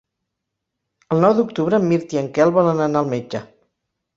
El nou d'octubre en Mirt i en Quel volen anar al metge.